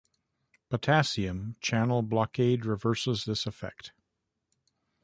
Potassium channel blockade reverses this effect.